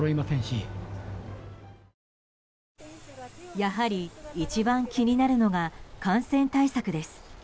やはり一番気になるのが感染対策です。